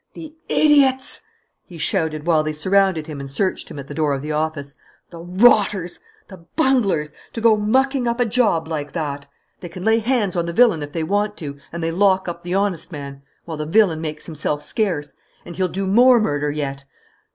"The idiots!" he shouted, while they surrounded him and searched him at the door of the office. "The rotters! The bunglers! To go mucking up a job like that! They can lay hands on the villain if they want to, and they lock up the honest man while the villain makes himself scarce! And he'll do more murder yet!